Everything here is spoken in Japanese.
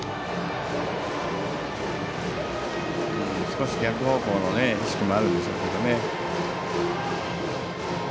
少し逆方向の意識もあるでしょうけどね。